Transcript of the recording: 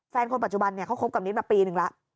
แฟนคนปัจจุบันเนี่ยเค้าคบกับนิตมาปีนึงละ